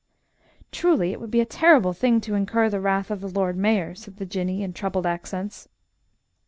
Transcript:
"Truly, it would be a terrible thing to incur the wrath of the Lord Mayor," said the Jinnee, in troubled accents.